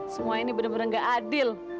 semua ini bener bener gak adil